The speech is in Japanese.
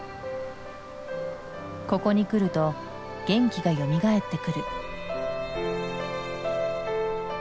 ここに来ると元気がよみがえってくる。